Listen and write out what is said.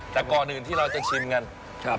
แต่ก่อนอื่นที่เราจะชิมกันครับ